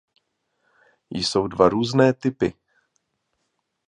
Jsou dva různé typy.